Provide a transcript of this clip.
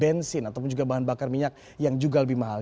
bahan bensin ataupun bahan bakar minyak juga lebih mahal